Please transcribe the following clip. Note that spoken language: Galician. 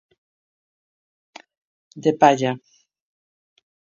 De palla.